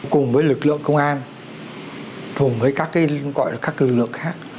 cùng với lực lượng công an cùng với các cái gọi là các lực lượng khác